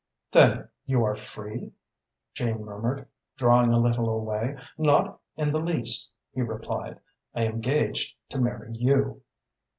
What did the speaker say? "Then you are free?" Jane murmured, drawing a little away. "Not in the least," he replied. "I am engaged to marry you."